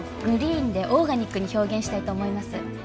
グリーンでオーガニックに表現したいと思います